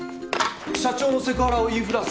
社長のセクハラを言いふらす？